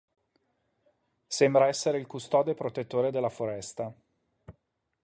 Sembra essere il custode e protettore della foresta.